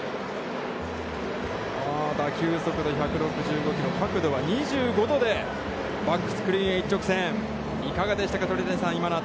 打球速度１６５キロ、角度は２５度でバックスクリーンへ一直線いかがでしたか、鳥谷さん。